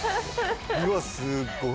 うわっすごいな。